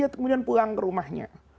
kemudian pulang ke rumahnya